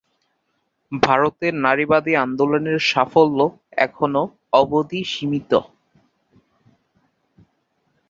ভারতের নারীবাদী আন্দোলনের সাফল্য এখনও অবধি সীমিত।